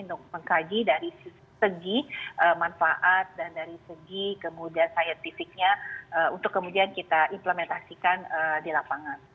untuk mengkaji dari segi manfaat dan dari segi kemudian sains fisiknya untuk kemudian kita implementasikan di lapangan